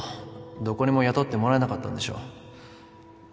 どこにも雇ってもらえなかったんでしょ